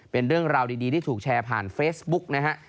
เป็นเรื่องราวดีที่ถูกแชร์ผ่านเฟซบุ๊กนะฮะ